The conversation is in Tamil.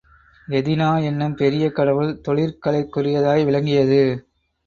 எதினா என்னும் பெரிய கடவுள் தொழிற் கலைக்குரியதாய் விளங்கியது.